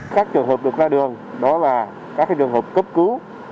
các trường hợp được ra đường đó là các trường hợp cấp cứu